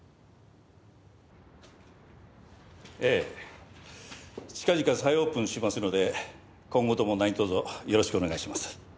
ええ近々再オープンしますので今後とも何とぞよろしくお願いします。